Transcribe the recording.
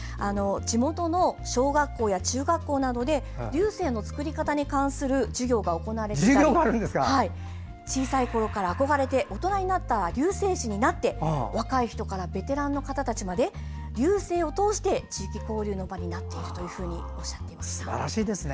地元の小学校・中学校などで龍勢の作り方に関する授業が行われていまして小さいころから憧れて大人になったら、龍勢師になって若い人からベテランの方たちまで龍勢を通して地域交流の場になっているとおっしゃっていました。